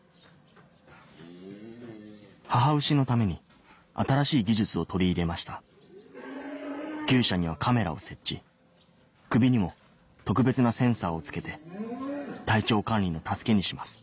母牛のために新しい技術を取り入れました牛舎にはカメラを設置首にも特別なセンサーを着けて体調管理の助けにします